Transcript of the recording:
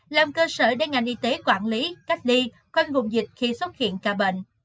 làm cơ sở để ngành y tế quản lý cách ly quanh vùng dịch khi xuất hiện ca bệnh